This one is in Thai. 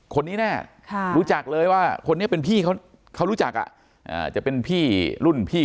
คนนี้แน่รู้จักเลยว่าคนนี้เป็นพี่เขารู้จักจะเป็นพี่รุ่นพี่